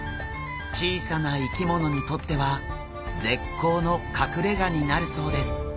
小さな生き物にとっては絶好の隠れがになるそうです。